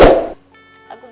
aku boleh ketawa gak